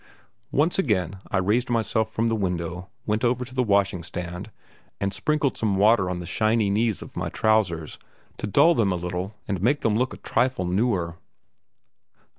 Once again I raised myself from the window, went over to the washing stand, and sprinkled some water on the shiny knees of my trousers to dull them a little and make them look a trifle newer.